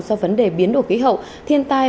do vấn đề biến đổi khí hậu thiên tai